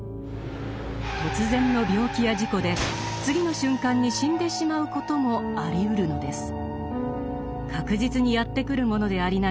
突然の病気や事故で次の瞬間に死んでしまうこともありうるのです。